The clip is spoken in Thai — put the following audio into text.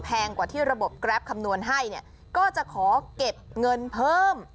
กว่าที่ระบบแกรปคำนวณให้เนี่ยก็จะขอเก็บเงินเพิ่ม